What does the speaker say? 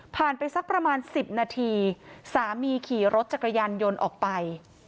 ไปสักประมาณ๑๐นาทีสามีขี่รถจักรยานยนต์ออกไป